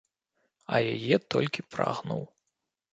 А яе толькі прагнуў.